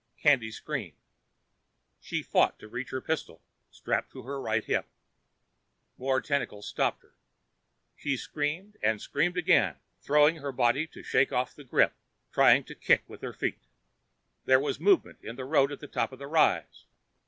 Candy screamed. She fought to reach her pistol, strapped to her right hip. More tentacles stopped her. She screamed and screamed again, throwing her body to shake off the grip, trying to kick with her feet. There was a movement in the road at the top of the rise.